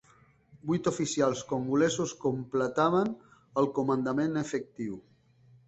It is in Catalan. Vuit oficials congolesos completaven el comandament efectiu.